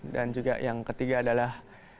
dan juga yang ketiga adalah